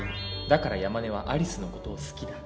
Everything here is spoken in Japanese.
だからヤマネはアリスの事を好きだ。